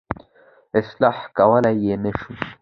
اصلاح کولای یې نه شو.